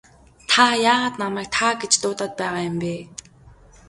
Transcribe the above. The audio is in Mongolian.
Та яагаад намайг та гэж дуудаад байгаа юм бэ?